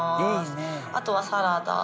「あとはサラダ」